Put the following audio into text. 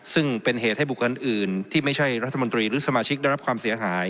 ซึ่งเป็นเหตุให้บุคคลอื่นที่ไม่ใช่รัฐมนตรีหรือสมาชิกได้รับความเสียหาย